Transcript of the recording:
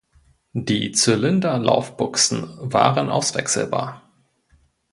Die Zylinderlaufbuchsen waren auswechselbar.